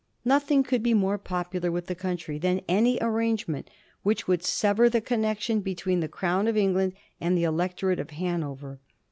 Nothing could be more popular with the country than any arrangement which would sever the connection between the Crown of England and the electorate of Han over.